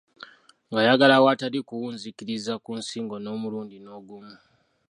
Ng'ayagala awatali kuwunziikiriza ku nsingo n'omulundi n'ogumu.